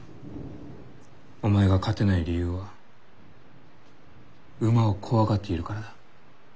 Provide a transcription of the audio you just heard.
お前が勝てない理由は馬を怖がっているからだ。